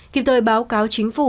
kịp thời báo cáo chính phủ